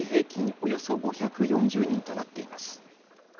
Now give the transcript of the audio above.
およそ５４０人となっています。